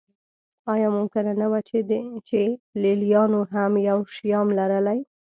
آیا ممکنه نه وه چې لېلیانو هم یو شیام لرلی